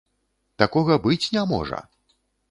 Такога быць не можа.